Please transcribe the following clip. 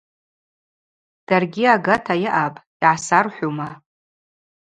Даргьи агата йаъапӏ – йгӏасархӏвума.